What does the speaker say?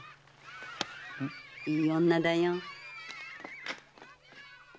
いい女だよ！